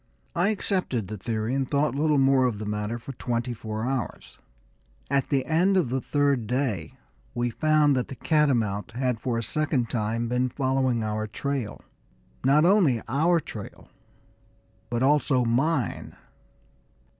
I accepted the theory, and thought little more of the matter for twenty four hours. At the end of the third day we found that the catamount had for a second time been following our trail not only our trail, but also _mine.